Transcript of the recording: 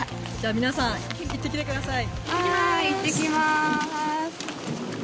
皆さん、行ってきてください。